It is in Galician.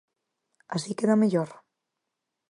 ¿Así queda mellor?